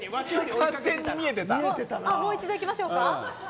もう一度いきましょうか。